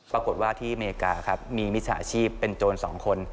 ปรากฏว่าที่อเมริกาครับมีมิจฉาชีพเป็นโจร๒คน